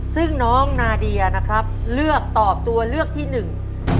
ซึ่งน้องนาเดียนะครับเลือกตอบตัวเลือกที่หนึ่ง